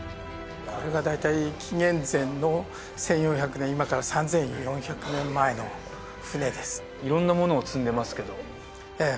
これが大体紀元前の１４００年今から３４００年前の船です色んなものを積んでますけどええ